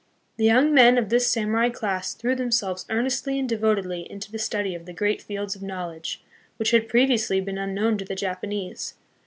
The young men of this samurai class threw them selves earnestly and devotedly Into the study of the great fields of knowledge, which had previously been unknown to the Japanese.